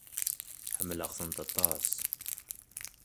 Ḥemmleɣ-tent aṭas.